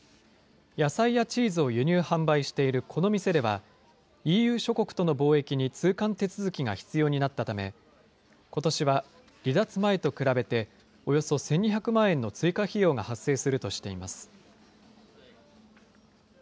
野菜やチーズを輸入・販売しているこの店では、ＥＵ諸国との貿易に通関手続きが必要になったため、ことしは離脱前と比べて、およそ１２００万円の追加費用が発生するとしています。